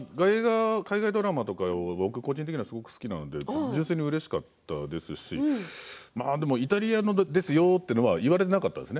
海外ドラマ僕、個人的に好きなので純粋にうれしかったですしイタリアですよと言われなかったんです。